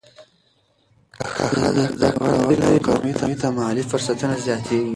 که ښځه زده کړه ولري، نو کورنۍ ته مالي فرصتونه زیاتېږي.